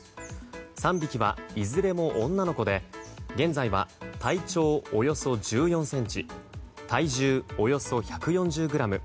３匹はいずれも女の子で現在は、体長およそ１４ｃｍ体重およそ１４０ｇ。